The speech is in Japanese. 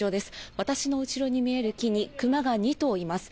私の後ろに見える木にクマが２頭います。